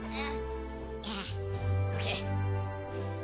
ＯＫ。